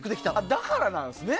だからなんですね。